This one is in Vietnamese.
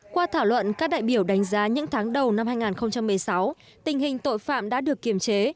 qua thảo luận các đại biểu đánh giá những tháng đầu năm hai nghìn một mươi sáu tình hình tội phạm đã được kiềm chế